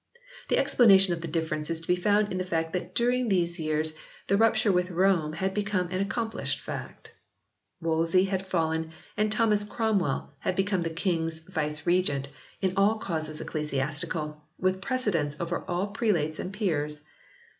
The explanation of the difference is to be found in the fact that during these years the rupture with Rome had become an accomplished fact. Wolsey had fallen and Thomas Cromwell had become the King s Vicegerent in all causes ecclesiastical, with precedence over all prelates and peers.